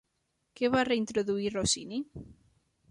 Què va reintroduir Rossini?